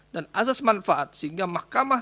dan asas manfaat sehingga mahkamah